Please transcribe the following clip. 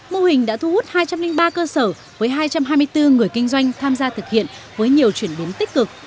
mô hình đã thu hút hai trăm linh ba cơ sở với hai trăm hai mươi bốn người kinh doanh tham gia thực hiện với nhiều chuyển biến tích cực